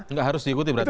nggak harus diikuti berarti